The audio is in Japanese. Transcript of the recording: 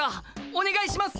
おねがいします！